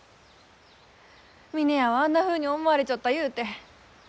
峰屋はあんなふうに思われちょったゆうて。